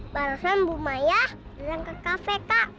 barusan ibu maya datang ke kafe kak